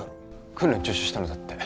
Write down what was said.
訓練中止したのだって